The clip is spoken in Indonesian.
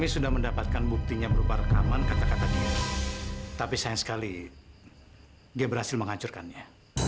sampai jumpa di video selanjutnya